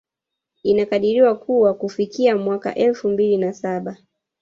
Inakadiriwa kuwa kufikia mwaka elfu mbili na saba